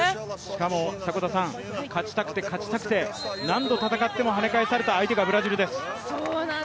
しかも、勝ちたくて勝ちたくて何度戦ってもはね返された相手がブラジルです。